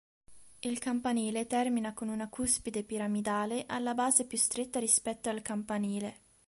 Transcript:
Il campanile termina con una cuspide piramidale, alla base più stretta rispetto al campanile.